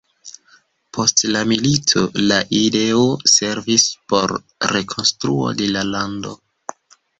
Post la militoj, la ideo servis por rekonstruo de la lando.